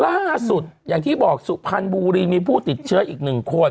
ล่าสุดอย่างที่บอกสุพรรณบุรีมีผู้ติดเชื้ออีกหนึ่งคน